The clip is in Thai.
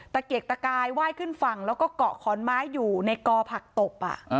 เกกตะกายไหว้ขึ้นฝั่งแล้วก็เกาะขอนไม้อยู่ในกอผักตบ